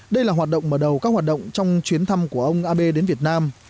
đây là hoạt động mở đầu các hoạt động trong chuyến thăm của ông abe đến việt nam